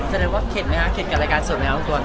แสดงว่าเข็ดไหมครับเข็ดกับรายการสดไหมครับตัวนั้น